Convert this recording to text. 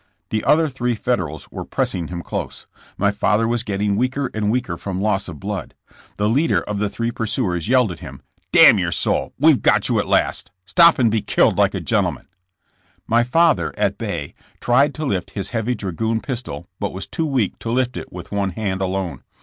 The other three Federals were pressing him close. My father was getting weaker and weaker from loss of blood. The leader of the three pursuers yelled at him: CIX)SING DAYS OF THK BORDER WARFARE. 53 ''Damn your soul, we've got you at last. Stop and be killed like a gentleman. '' My father, at bay, tried to lift his heavy dragoon pistol but was too weak to lift it with one hand alone.